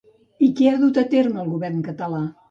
I què ha dut a terme el govern català?